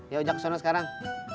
yaudah jaga sana sekarang